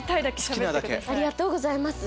ありがとうございます。